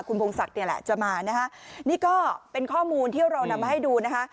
คุณพงศักดิ์เนี่ยแหละจะมานะคะนี่ก็เป็นข้อมูลที่เรานำมาให้ดูนะคะ